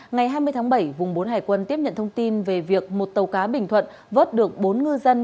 ngày hai mươi tháng bảy vùng bốn hải quân tiếp nhận thông tin về việc một tàu cá bình thuận vớt được bốn ngư dân